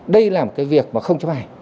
đây là một cái việc mà không chấp hài